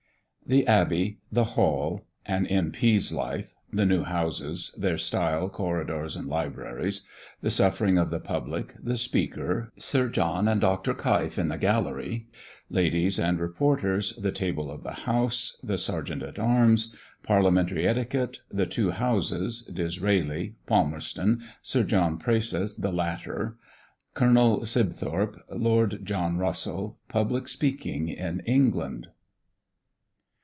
THE ABBEY. THE HALL. AN M.P.'S LIFE. THE NEW HOUSES. THEIR STYLE, CORRIDORS, AND LIBRARIES. THE SUFFERINGS OF THE PUBLIC. THE SPEAKER. SIR JOHN AND DR. KEIF IN THE GALLERY. LADIES AND REPORTERS. THE TABLE OF THE HOUSE. THE SERGEANT AT ARMS. PARLIAMENTARY ETIQUETTE. THE TWO HOUSES. DISRAELI. PALMERSTON. SIR JOHN PRAISETH THE LATTER. COLONEL SIBTHORP. LORD JOHN RUSSELL. PUBLIC SPEAKING IN ENGLAND.